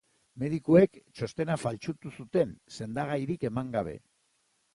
Medikuek txostena faltsutu zuten, sendagairik eman gabe.